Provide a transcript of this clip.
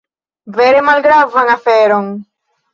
Vere malgravan aferon.